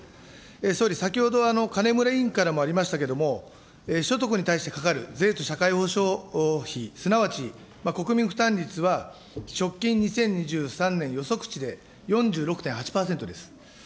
総理、先ほど、金村委員からもありましたけれども、所得に対してかかる税と社会保障費、すなわち、国民負担率は直近２０２３年予測値で４６．８％です。